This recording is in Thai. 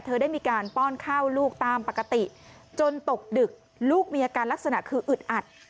ได้มีการป้อนข้าวลูกตามปกติจนตกดึกลูกมีอาการลักษณะคืออึดอัด